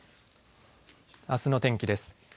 あすの天気です。